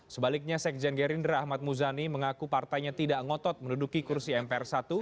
sebaliknya sekjen gerindra ahmad muzani mengaku partainya tidak ngotot menduduki kursi mpr satu